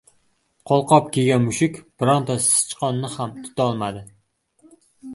• Qo‘lqop kiygan mushuk bironta sichqonni ham tutolmaydi.